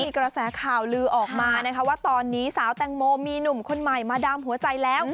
มีกระแสข่าวลือออกมานะคะว่าตอนนี้สาวแตงโมมีหนุ่มคนใหม่มาดามหัวใจแล้ว